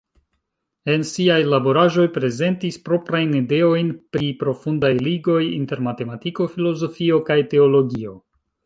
En siaj laboraĵoj prezentis proprajn ideojn pri profundaj ligoj inter matematiko, filozofio kaj teologio.